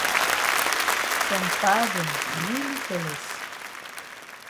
Some pa dem really careless.